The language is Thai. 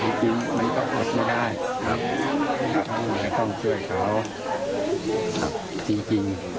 แต่จริงไม่ต้องรับไม่ได้เพราะเขาเลยต้องช่วยเขาจริง